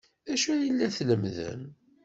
D acu ay la tlemmdem?